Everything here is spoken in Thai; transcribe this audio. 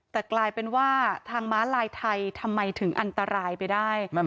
แต่กลายเป็นว่าทางม้าลายไทยทำไมถึงอันตรายไปได้